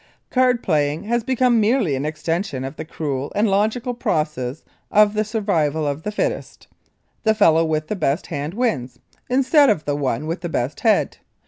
Card playing has become merely an extension of the cruel and logical process of the survival of the fittest. The fellow with the best hand wins, instead of the one with the best head.